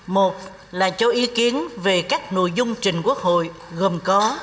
một là cho ý kiến về các nội dung trình quốc hội gồm có